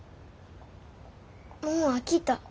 もう飽きた。